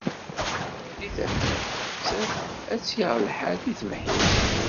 Mi d-tefrari tafat, nettat ad tt-yaɣ lḥal deg tebḥirt.